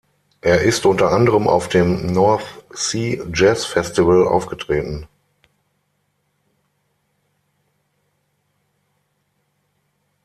Er ist unter anderem auf dem North Sea Jazz Festival aufgetreten.